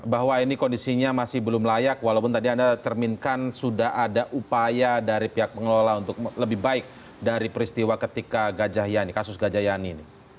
bahwa ini kondisinya masih belum layak walaupun tadi anda cerminkan sudah ada upaya dari pihak pengelola untuk lebih baik dari peristiwa ketika gajah yani kasus gajah yani ini